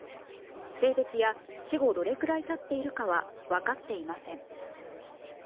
性別や死後どれくらい経っているかは分かっていません。